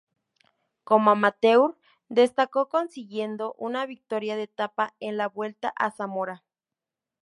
Como amateur destacó consiguiendo una victoria de etapa en la Vuelta a Zamora.